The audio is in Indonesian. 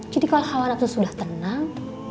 jadi kalau halwa nafsu sudah tenang